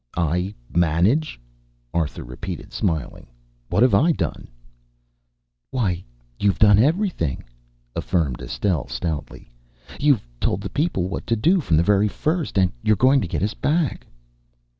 "I manage?" Arthur repeated, smiling. "What have I done?" "Why, you've done everything," affirmed Estelle stoutly. "You've told the people what to do from the very first, and you're going to get us back."